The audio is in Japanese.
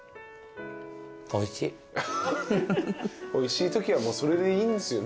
おいしいときはもうそれでいいんですよね。